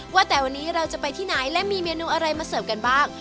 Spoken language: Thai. ว่าแต่วันนี้เราจะไปที่ไหนและมีเมนูอะไรมาเสิร์ฟกันบ้าง